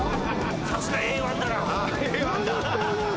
さすがＡ１だな。